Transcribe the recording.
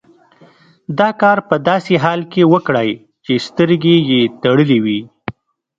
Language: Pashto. دا کار په داسې حال کې وکړئ چې سترګې یې تړلې وي.